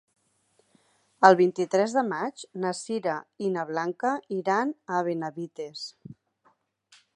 El vint-i-tres de maig na Sira i na Blanca iran a Benavites.